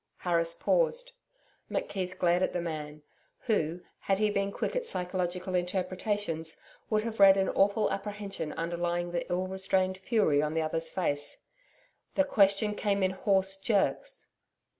Harris paused. McKeith glared at the man, who, had he been quick at psychological interpretations, would have read an awful apprehension underlying the ill restrained fury in the other's face. The question came in hoarse jerks.